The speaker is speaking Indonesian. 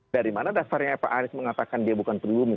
dari mana dasarnya pak anies mengatakan dia bukan pribumi